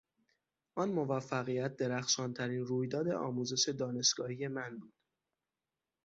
آن موفقیت درخشانترین رویداد آموزش دانشگاهی من بود.